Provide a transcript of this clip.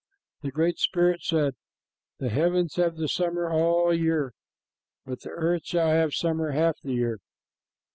The Great Spirit said, "The heavens have the summer all the year, but the earth shall have summer half the year.